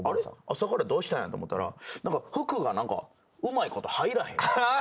朝からどうしたんや？」と思ったら何か服がうまいこと入らへん。